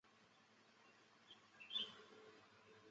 径向速度量测将可帮助确认潜在凌日恒星最有效的方式。